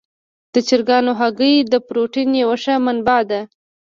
د چرګانو هګۍ د پروټین یوه ښه منبع ده.